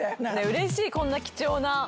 うれしいこんな貴重な。